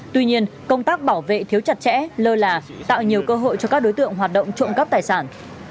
tuy nhiên công tác bảo vệ thiếu chặt chẽ lơ là tạo nhiều cơ hội cho các đối tượng hoạt động trộm cắp tài sản